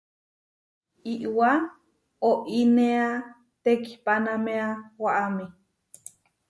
Iʼwá oinéa tekihpanaméa waʼámi.